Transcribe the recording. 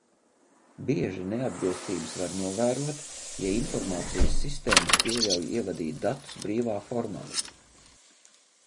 Bieži neatbilstības var novērot, ja informācijas sistēmas pieļauj ievadīt datus brīvā formā.